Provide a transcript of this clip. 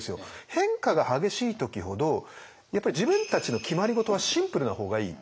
変化が激しい時ほどやっぱり自分たちの決まり事はシンプルな方がいい。